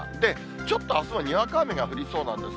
ちょっとあすはにわか雨が降りそうなんです。